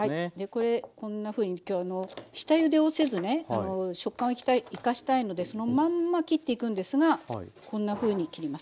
これこんなふうに今日下ゆでをせずね食感を生かしたいのでそのまんま切っていくんですがこんなふうに切ります。